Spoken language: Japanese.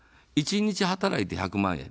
１日働いて１００万円。